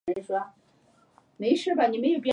欧萱也是获奖最多次的得主。